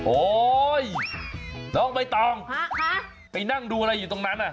โอ๊ยน้องใบตองไปนั่งดูอะไรอยู่ตรงนั้น